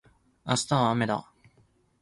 明日はあめだ